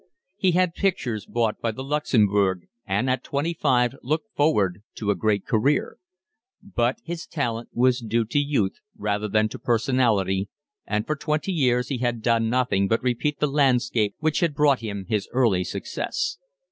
He had had pictures bought by the Luxembourg, and at twenty five looked forward to a great career; but his talent was due to youth rather than to personality, and for twenty years he had done nothing but repeat the landscape which had brought him his early success.